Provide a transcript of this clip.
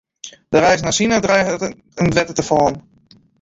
De reis nei Sina driget yn it wetter te fallen.